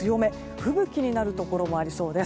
吹雪になるところもありそうです。